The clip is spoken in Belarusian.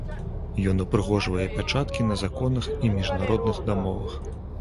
Ён упрыгожвае пячаткі на законах і міжнародных дамовах.